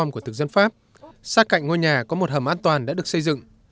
trong thời kỳ kháng chiến của thực dân pháp xa cạnh ngôi nhà có một hầm an toàn đã được xây dựng